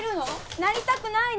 なりたくないの？